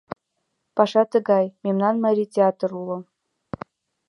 Паша тыгай: мемнан Марий театр уло.